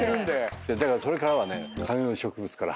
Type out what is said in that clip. だからそれからはね。